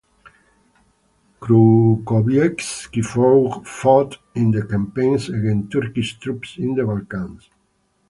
Krukowiecki fought in the campaigns against Turkish troops in the Balkans.